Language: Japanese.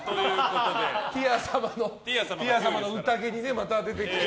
ティア様の宴にまた出てきて。